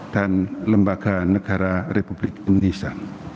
dan lembaga negara republik indonesia